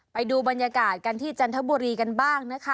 ไปดูบรรยากาศกันที่จันทบุรีกันบ้างนะคะ